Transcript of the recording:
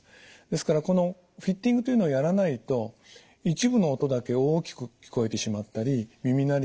ですからこのフィッティングというのをやらないと一部の音だけ大きく聞こえてしまったり耳鳴りがしたり。